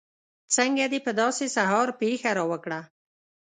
څنګه دې په داسې سهار پېښه راوکړه.